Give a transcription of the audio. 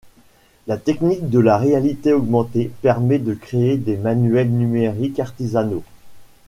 La technique de la réalité augmentée permet de créer des manuels numériques artisanaux.